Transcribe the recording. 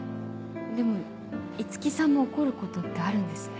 でも五木さんも怒ることってあるんですね。